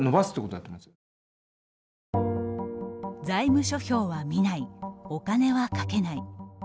財務諸表は見ないお金はかけない。